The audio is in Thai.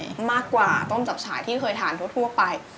ใช่มากกว่าต้มจับฉายที่เคยทานทั่วไป